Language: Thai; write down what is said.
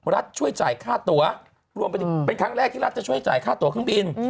ลัฐช่วยจ่ายค่าตัวรวมจะเป็นครั้งแรกที่